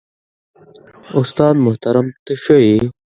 استاد محترم ته ښه يې؟